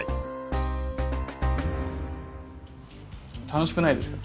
楽しくないですか？